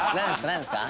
なんですか？